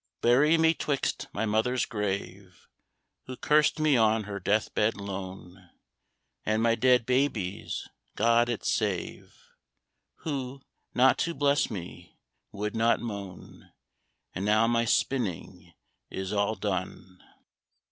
Bury me 'twixt my mother's grave, (Who cursed me on her death bed lone) And my dead baby's (God it save!) Who, not to bless me, would not moan. And now my spinning is all done.